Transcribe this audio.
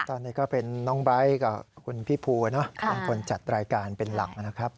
ตอนนี้ก็เป็นน้องไบท์กับคุณพี่ภูเป็นคนจัดรายการเป็นหลักนะครับ